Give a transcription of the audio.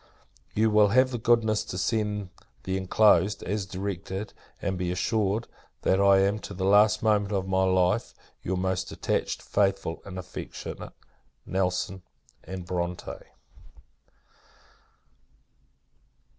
You will have the goodness to send the inclosed, as directed; and be assured, that I am, to the last moment of my life, your most attached, faithful, and affectionate, NELSON & BRONTE.